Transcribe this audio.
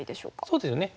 そうですよね。